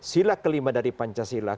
sila kelima dari pancasila